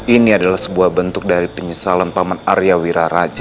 ini adalah sebuah bentuk dari penyesalan pak man aryawira raja